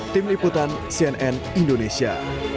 tim liputan cnn indonesia